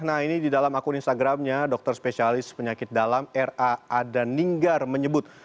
nah ini di dalam akun instagramnya dokter spesialis penyakit dalam raa dan ninggar menyebut